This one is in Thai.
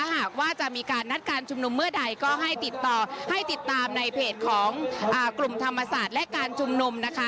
หากว่าจะมีการนัดการชุมนุมเมื่อใดก็ให้ติดต่อให้ติดตามในเพจของกลุ่มธรรมศาสตร์และการชุมนุมนะคะ